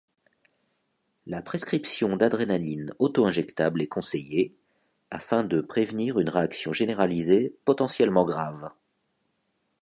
La prescription d’adrénaline auto-injectable est conseillée, afin de prévenir une réaction généralisée potentiellement grave.